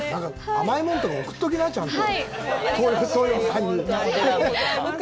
甘いものとか、送っておきな、ちゃんと。